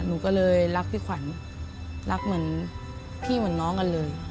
หนูก็เลยรักพี่ขวัญรักเหมือนพี่เหมือนน้องกันเลย